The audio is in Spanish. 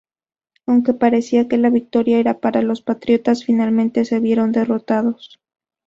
Aunque parecía que la victoria era para los patriotas, finalmente se vieron derrotados.